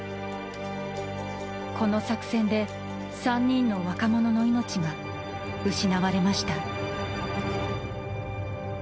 この作戦で３人の若者の命が失われました。